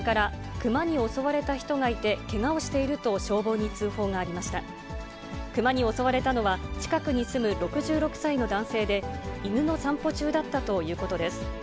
クマに襲われたのは、近くに住む６６歳の男性で、犬の散歩中だったということです。